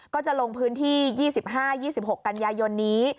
ก็จะลงพื้นที่๒๕๒๖กันยายนนี้